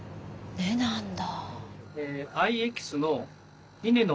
根なんだ。